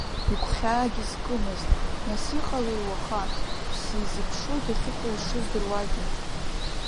Игәхьаагьы скымызт, нас иҟалеи уаха, сзизыԥшуи дахьыҟоу шыздыруагьы?